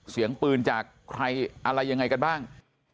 เสียงปืนจากใครอะไรยังไงกันบ้าง